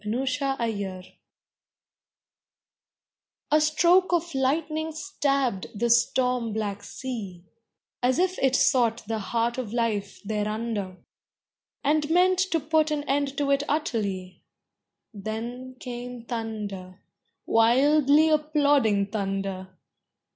LIFE'S ANSWER A stroke of lightning stabbed the storm black sea, As if it sought the heart of Life thereunder, And meant to put an end to it utterly; Then came thunder Wildly applauding thunder.